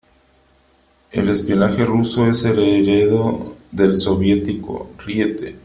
El espionaje ruso es heredero del soviético; ¡ríete!